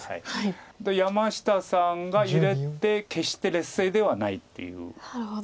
山下さんが入れて決して劣勢ではないっていう。